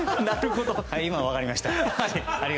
今分かりました。